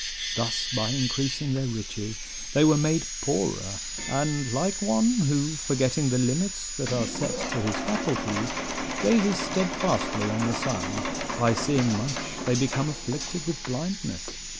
Thus by increasing their riches they were made poorer; and, like one who, forgetting the limits that are set to his faculties, gazes steadfastly on the sun, by seeing much they become afflicted with blindness.